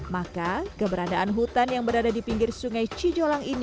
maka keberadaan hutan yang berada di pinggir sungai cijolang ini